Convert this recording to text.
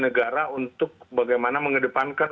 negara untuk bagaimana mengedepankan